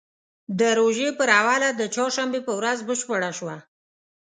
د روژې پر اوله د چهارشنبې په ورځ بشپړه شوه.